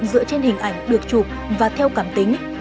dựa trên hình ảnh được chụp và theo cảm tính